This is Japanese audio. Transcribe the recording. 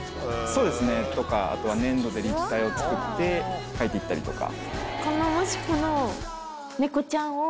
そうですねとかあとは粘土で立体を作って描いて行ったりとか。